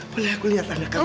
boleh aku lihat anak kamu